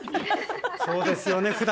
そうですよね。